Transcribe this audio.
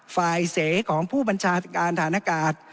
เสของผู้บัญชาการฐานอากาศ